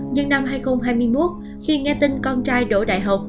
nhưng năm hai nghìn hai mươi một khi nghe tin con trai đỗ đại học